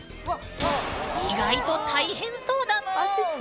意外と大変そうだぬん。